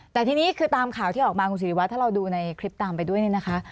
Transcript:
แต่ทีนี้คือตามข่าวที่ออกมาคุณศิริวัตรถ้าเราดูในคลิปตามไปด้วยนี่นะคะ